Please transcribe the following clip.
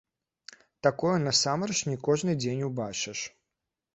Такое насамрэч не кожны дзень убачыш.